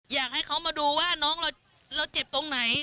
อยากให้เขามาดูว่าน้องเราเจ็บตรงไหน